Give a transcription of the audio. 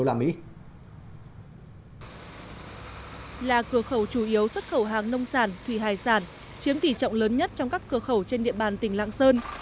là cửa khẩu chủ yếu xuất khẩu hàng nông sản thủy hải sản chiếm tỷ trọng lớn nhất trong các cửa khẩu trên địa bàn tỉnh lạng sơn